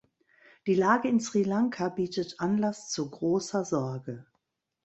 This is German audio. Die Lage in Sri Lanka bietet Anlass zu großer Sorge.